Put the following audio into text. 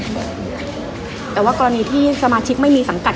แต่ว่ากรณีที่สมาชิกไม่มีสังกัด